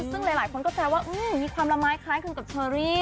ซึ่งหลายคนก็แซวว่ามีความละไม้คล้ายคลึงกับเชอรี่